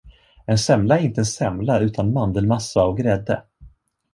En semla är inte en semla utan mandelmassa och grädde.